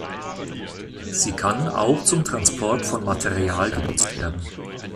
Sie kann auch zum Transport von Material genutzt werden.